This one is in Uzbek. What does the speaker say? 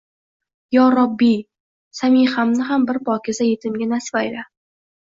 «Yo Robbiy, Samihamni ham bir pokiza yetimga nasib ayla